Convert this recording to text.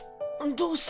どうして？